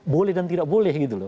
boleh dan tidak boleh gitu loh